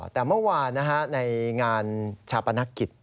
แต่เมื่อวานในงานชาปนกิจ